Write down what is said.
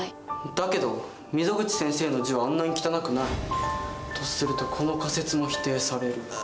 だけど溝口先生の字はあんなに汚くない。とするとこの仮説も否定される。